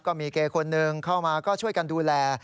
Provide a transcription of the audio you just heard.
ก็มีเกย์คนหนึ่งเข้ามาก็ช่วยกันดูแล